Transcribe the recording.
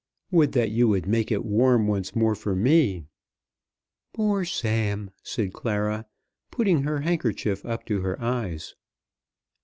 "Would that you would make it warm once more for me." "Poor Sam!" said Clara, putting her handkerchief up to her eyes.